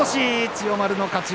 千代丸の勝ち。